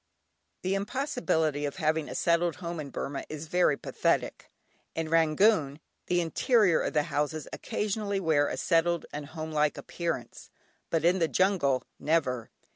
The impossibility of having a settled home in Burmah is very pathetic. In Rangoon, the interior of the houses occasionally wear a settled and homelike appearance, but in the jungle, never.